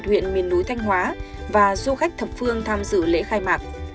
một mươi một huyện miền núi thanh hóa và du khách thập phương tham dự lễ khai mạc